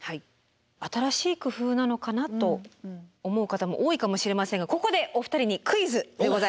新しい工夫なのかなと思う方も多いかもしれませんがここでお二人にクイズでございます。